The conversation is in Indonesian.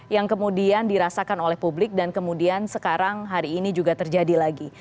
yang kemudian dirasakan oleh publik dan kemudian sekarang hari ini juga terjadi lagi